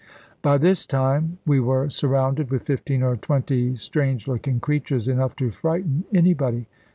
By this time we were surrounded with fifteen or twenty strange looking creatures, enough to frighten anybody.